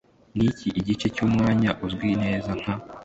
Niki Igice Cyumwanya Uzwi neza Nka